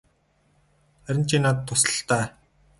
Харин чи надад тусал л даа.